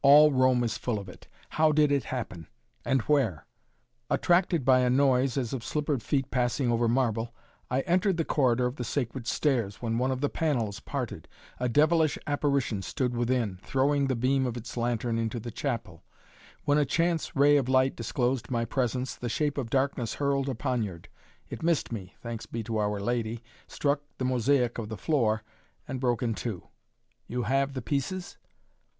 "All Rome is full of it. How did it happen? And where?" "Attracted by a noise as of slippered feet passing over marble, I entered the corridor of the Sacred Stairs, when one of the panels parted. A devilish apparition stood within, throwing the beam of its lantern into the chapel. When a chance ray of light disclosed my presence the shape of darkness hurled a poniard. It missed me, thanks be to Our Lady, struck the mosaic of the floor and broke in two." "You have the pieces?"